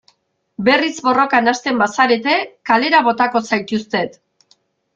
Berriz borrokan hasten bazarete kalera botako zaituztet.